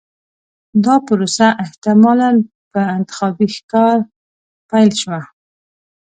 دا پروسه احتمالاً په انتخابي ښکار پیل شوه.